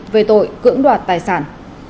về tội cưỡng đoạt tài sản